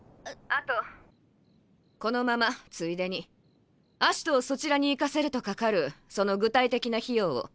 あとこのままついでに葦人をそちらに行かせるとかかるその具体的な費用を。